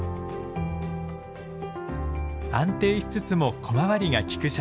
安定しつつも小回りがきく車体。